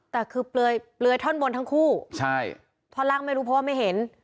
แต่คือเปลือยท่อนบนทั้งคู่ใช่ท่อนล่างไม่รู้เพราะว่าไม่เห็น